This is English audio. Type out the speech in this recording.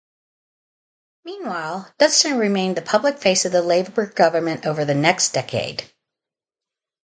Meanwhile, Dunstan remained the public face of the Labor government over the next decade.